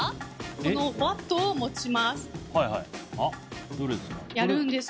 このバットを持ちます。